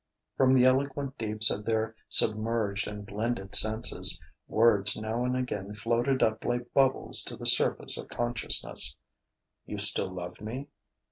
From the eloquent deeps of their submerged and blended senses, words now and again floated up like bubbles to the surface of consciousness: "You still love me?"